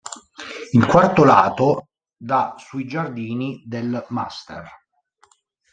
Il quarto lato dà sui giardini del Master.